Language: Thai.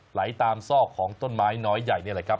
ไหลตามซอกของต้นไม้น้อยใหญ่นี่แหละครับ